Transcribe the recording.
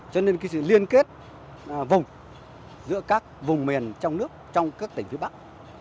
cho nên sự liên kết vùng giữa các vùng miền trong nước trong các tỉnh phía bắc